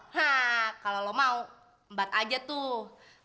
hah kalau lo mau mbat aja tuh